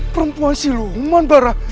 perempuan siluman bara